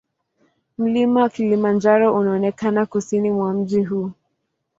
Mlima Kilimanjaro unaonekana kusini mwa mji huu.